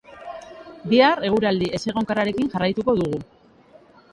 Bihar eguraldi ezegonkorrarekin jarraituko dugu.